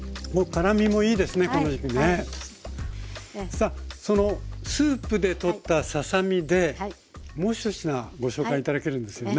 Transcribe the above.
さあそのスープでとったささ身でもう１品ご紹介頂けるんですよね。